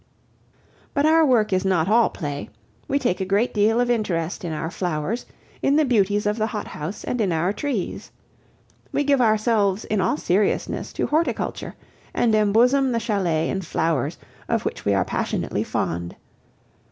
But our work is not all play. We take a great deal of interest in our flowers, in the beauties of the hothouse, and in our trees. We give ourselves in all seriousness to horticulture, and embosom the chalet in flowers, of which we are passionately fond.